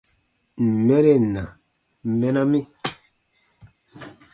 Ǹ n mɛren na, mɛna mi.